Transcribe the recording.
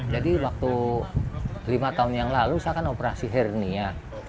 jadi waktu lima tahun yang lalu saya kan operasi hernia